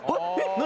何？